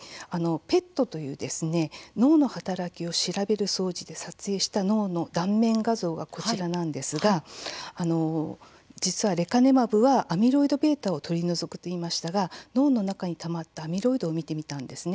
ＰＥＴという脳の働きを調べる装置で撮影した脳の断面画像がこちらなんですが実はレカネマブはアミロイドβを取り除くと言いましたが脳の中にたまったアミロイドを見てみたんですね。